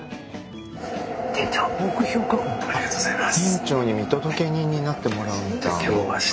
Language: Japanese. ありがとうございます。